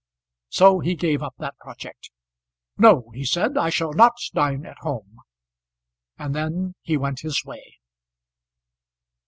So he gave up that project. "No," he said, "I shall not dine at home;" and then he went his way.